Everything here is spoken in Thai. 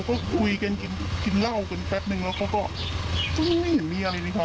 ก็สงสัยยังไม่เห็นมีอะไรอย่างงี้ค่ะ